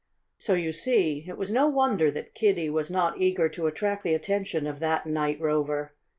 So you see it was no wonder that Kiddie was not eager to attract the attention of that night rover.